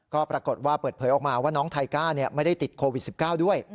ก็ปรากฏว่าเปิดเผยออกมาว่าน้องไทก้าไม่ได้ติดโควิด๑๙ด้วย